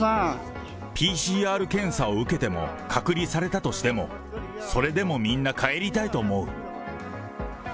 ＰＣＲ検査を受けても、隔離されたとしても、それでもみんな帰りたいと思う。